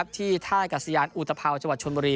ที่ท่ากัศยานอุตพาวชวัดชวนบรี